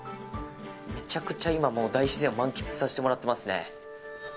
めちゃくちゃ今大自然を満喫させてもらってますね。